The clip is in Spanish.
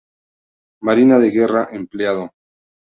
Marina de guerra empleado.